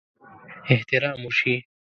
احترام وشي.